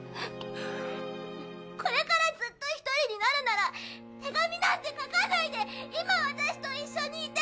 これからずっと１人になるなら手紙なんて書かないで今、私と一緒にいて。